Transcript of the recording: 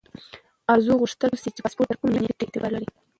ارزو غوښتل پوه شي چې پاسپورت تر کومې نیټې اعتبار لري.